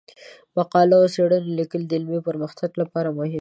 د مقالو او څیړنو لیکل د علمي پرمختګ لپاره مهم دي.